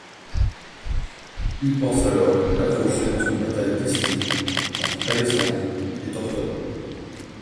Il pense alors l'accrocher dans une bataille décisive entre Alexandrie et Tortone.